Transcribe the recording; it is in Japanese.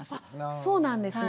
そうなんですね。